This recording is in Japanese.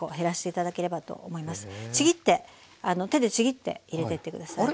ちぎって手でちぎって入れてってください。